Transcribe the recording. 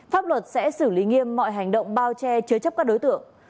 pháp luật sẽ xử lý nghiêm mọi hành động bao che chứa chấp các đối tượng